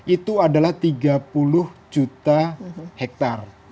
itu adalah tiga puluh juta hektare